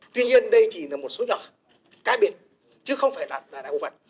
tuy nhiên đây chỉ là một số nhỏ cá biệt chứ không phải là đạo đức